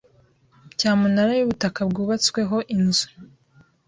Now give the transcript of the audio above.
Cyamunara y’ubutaka bwubatsweho inzu